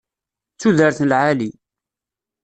D tudert n lɛali.